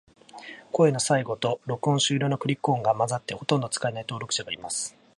声の最後と、録音終了のクリック音が混ざって、ほとんど使えない登録者がいます。